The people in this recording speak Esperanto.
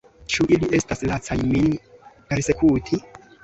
Ĉu ili estas lacaj, min persekuti?